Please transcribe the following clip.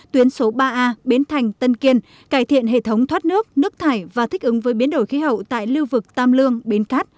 tuyến số ba a bến thành tân kiên cải thiện hệ thống thoát nước nước thải và thích ứng với biến đổi khí hậu tại lưu vực tam lương bến cát